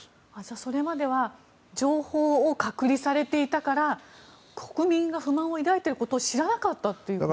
それまでは情報を隔離されていたから国民が不満を抱いていることを知らなかったということですか。